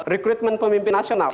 rekrutmen pemimpin nasional